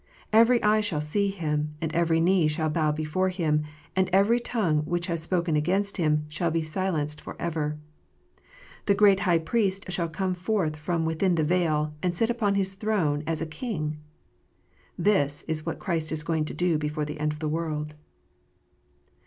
Every eye shall see Him, and every knee shall bow before Him, and every tongue which has spoken against Him shall be silenced for ever. The great High Priest shall come forth from within the veil, and sit upon His throne as a King. This is what Christ is going to do before the end of the world.